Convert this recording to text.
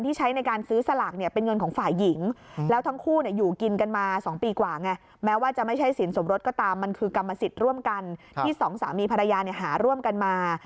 ที่สองสามีภรรยาหาร่วมกันมา